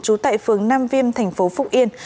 trú tại phương nam viêm tp phúc yên